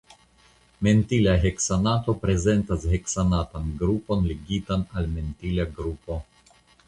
Mentila heksanato prezentas heksanatan grupon ligitan al mentila grupo.